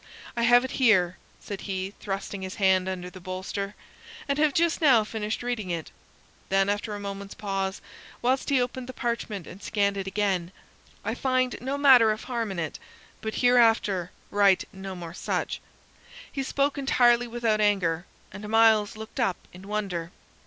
I have it here," said he, thrusting his hand under the bolster, "and have just now finished reading it." Then, after a moment's pause, whilst he opened the parchment and scanned it again, "I find no matter of harm in it, but hereafter write no more such." He spoke entirely without anger, and Myles looked up in wonder.